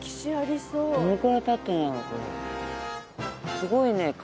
すごいね瓦。